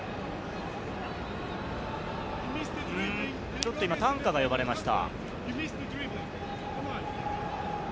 ちょっと今、担架が呼ばれました。